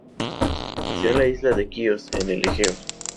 Nació en la isla de Quíos, en el Egeo.